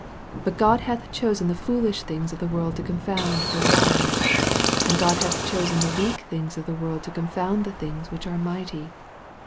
But God hath chosen the foolish things of the world to confound the wise, and God hath chosen the weak things of the world to confound the things which are mighty."